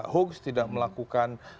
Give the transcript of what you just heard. hoax tidak melakukan